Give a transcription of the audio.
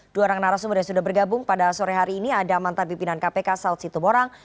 dua orang narasumber yang sudah bergabung pada sore hari ini ada mantan pimpinan kpk saud situborang